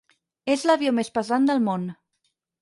És l'avió més pesant del món.